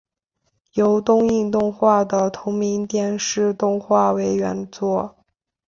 由东映动画的同名电视动画为原作。